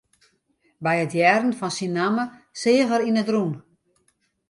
By it hearren fan syn namme seach er yn it rûn.